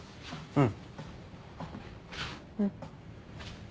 うん。